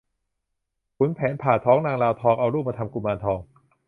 ขุนแผนผ่าท้องนางลาวทอง เอาลูกมาทำกุมารทอง